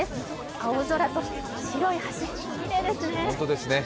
青空と白い橋、きれいですね。